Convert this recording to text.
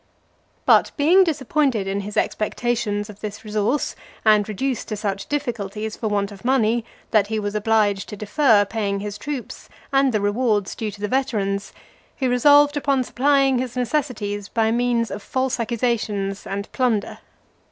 XXXII. But being disappointed in his expectations of this resource, and reduced to such difficulties, for want of money, that he was obliged to defer paying his troops, and the rewards due to the veterans; he resolved upon supplying his necessities by means of false accusations and plunder.